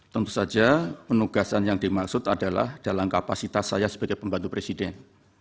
tentu saja penugasan yang dimaksud adalah dalam kapasitas saya sebagai pembantu presiden